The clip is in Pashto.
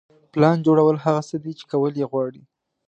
پلان جوړول هغه څه دي چې کول یې غواړئ.